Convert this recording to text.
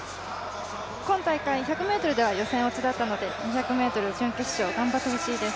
今大会、１００ｍでは予選落ちだったので２００ｍ準決勝、頑張ってほしいです。